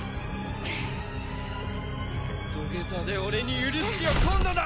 土下座で俺に許しを請うのだ！